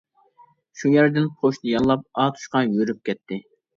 شۇ يەردىن پوچتا ياللاپ ئاتۇشقا يۈرۈپ كەتتى.